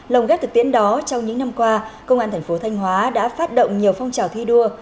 lòng ghét thực tiễn đó trong những năm qua công an tp thanh hóa đã phát động nhiều phong trào thi đua